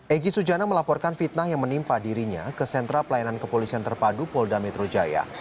egy sujana melaporkan fitnah yang menimpa dirinya ke sentra pelayanan kepolisian terpadu polda metro jaya